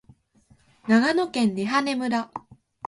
長野県根羽村